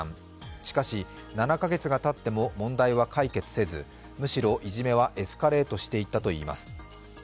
しかし、７か月がたっても問題は解決せず、むしろいじめはエスカレートしていったといいます。